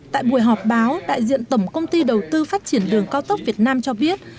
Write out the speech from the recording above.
tại buổi họp báo đại diện tổng công ty đầu tư phát triển đường cao tốc việt nam cho biết